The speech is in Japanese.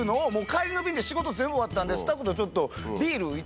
帰りの便で仕事全部終わったんでスタッフとちょっと。